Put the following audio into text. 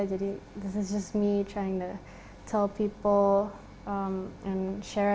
jadi ini hanya saya yang mencoba untuk memberi tahu orang dan berbagi dan mengikuti cerita